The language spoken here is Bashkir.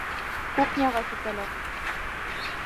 Кухняға китәләр.